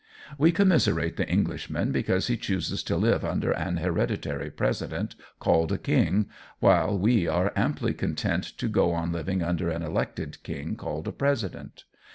"We commiserate the Englishman because he chooses to live under an hereditary president called a king, while we are amply content to go on living under an elected king called a president.